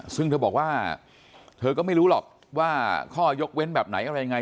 ซึ่งเธอบอกว่าเธอก็ไม่รู้หรอกว่าข้อยกเว้นแบบไหนอะไรยังไง